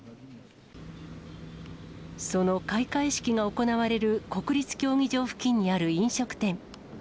その開会式が行われる国立競技場付近にある飲食店。